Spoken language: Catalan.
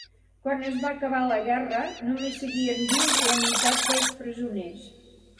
Quan es va acabar la guerra només seguien vius la meitat dels presoners.